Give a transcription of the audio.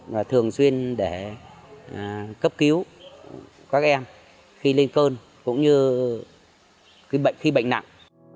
và thường xuyên để cấp cứu các em khi lên cơn cũng như khi bệnh nặng